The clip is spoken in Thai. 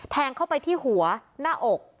แทงเข้าไปที่หัวหน้าอก